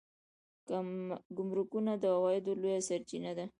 ګمرکونه د عوایدو لویه سرچینه ده